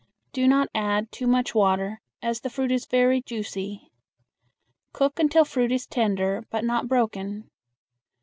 Do not add too much water, as the fruit is very juicy. Cook until fruit is tender, but not broken.